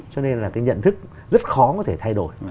cho nên là cái nhận thức rất khó có thể thay đổi